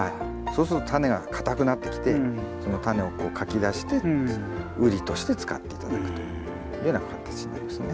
そうするとタネが硬くなってきてそのタネをこうかき出してウリとして使って頂くというような形になりますね。